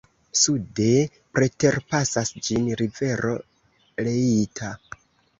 Sude preterpasas ĝin rivero Leitha.